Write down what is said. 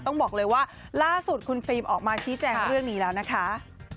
ต้องบอกเลยว่าล่าสุดคุณฟิล์มออกมาชี้แจงเรื่องนี้แล้วนะคะ